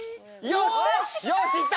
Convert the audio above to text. よしいった！